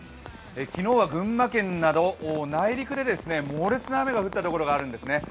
昨日は群馬県など内陸で猛烈な雨が降ったところがあったんですね。